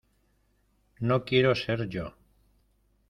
no quiero ser yo.